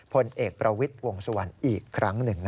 พลเอกประวิทย์วงสุวรรณอีกครั้งหนึ่ง